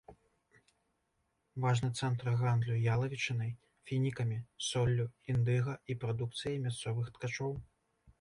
Важны цэнтр гандлю ялавічынай, фінікамі, соллю, індыга і прадукцыяй мясцовых ткачоў.